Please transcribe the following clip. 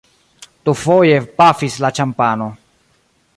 Dufoje pafis la ĉampano.